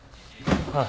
ああ。